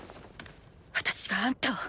私があんたを。